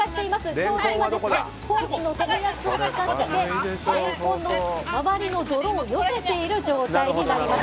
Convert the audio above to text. ちょうど今ホースの水圧を使ってレンコンの周りの泥をよけている状態になります。